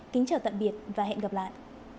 kính chào tạm biệt và hẹn gặp lại